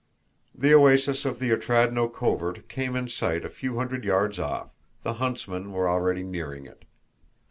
The oasis of the Otrádnoe covert came in sight a few hundred yards off, the huntsmen were already nearing it.